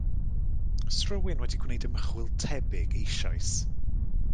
'S rhywun wedi gwneud ymchwil tebyg eisoes?